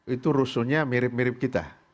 itu rusuhnya mirip mirip kita